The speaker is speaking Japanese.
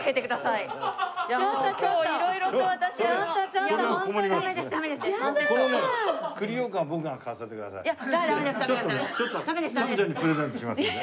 ちょっとねちょっと彼女にプレゼントしますのでね。